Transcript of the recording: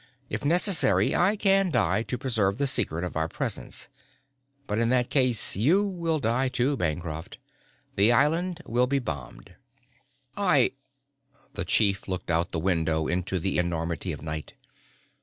If necessary I can die to preserve the secret of our presence but in that case you will die too, Bancroft. The island will be bombed." "I...." The chief looked out the window into the enormity of night.